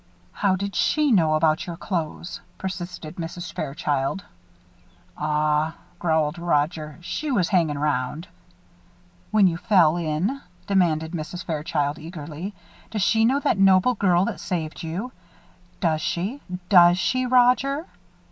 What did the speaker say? "How did she know about your clothes?" persisted Mrs. Fairchild. "Aw," growled Roger, "she was hangin' 'round." "When you fell in?" demanded Mrs. Fairchild, eagerly. "Does she know that noble girl that saved you? Does she does she, Roger?"